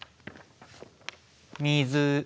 水。